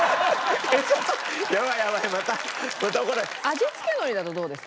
味付け海苔だとどうですか？